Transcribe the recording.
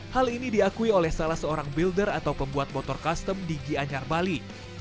hal ini diakui oleh salah seorang builder atau pembuat motor custom di gianyar bali